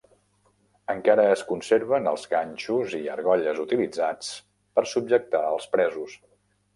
Encara es conserven els ganxos i argolles utilitzats per subjectar als presos.